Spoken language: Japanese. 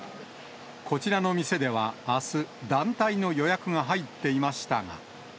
こちらの店では、あす、団体の予約が入っていましたが。